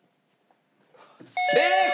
正解！